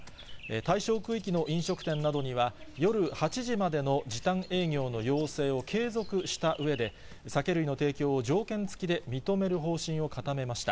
対象区域の飲食店などには、夜８時までの時短営業の要請を継続したうえで、酒類の提供を条件付きで認める方針を固めました。